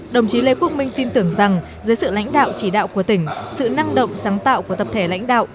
đồng chí lê quốc minh tin tưởng rằng dưới sự lãnh đạo chỉ đạo của tỉnh sự năng động sáng tạo của tập thể lãnh đạo